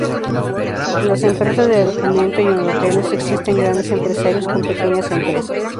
En las empresas de alojamiento y en hoteles, existen grandes empresarios con pequeñas empresas.